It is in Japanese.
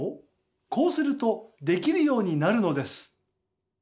こうするとできるようになるのです。